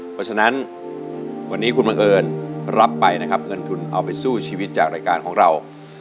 เพราะฉะนั้นวันนี้คุณบังเอิญรับไปนะครับเงินทุนเอาไปสู้ชีวิตจากรายการของเรา